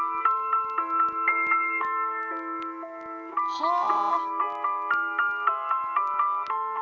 はあ。